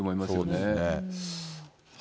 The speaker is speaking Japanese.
そうですね。